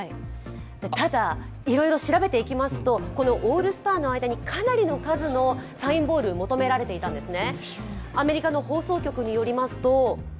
ただ、いろいろ調べていきますと、オールスターの間にかなりの数のサインボール、求められていたんですね。